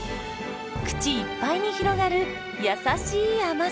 口いっぱいに広がる優しい甘さ。